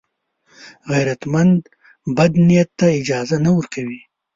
غیرتمند بد نیت ته اجازه نه ورکوي